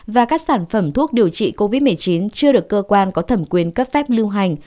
và các sản phẩm thuốc điều trị covid một mươi chín chưa được cơ quan có thẩm quyền cấp phép lưu hành